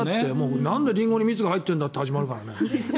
なんでリンゴに蜜が入ってるんだって始まるからね。